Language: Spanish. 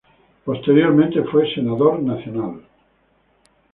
Posteriormente fue senador nacional.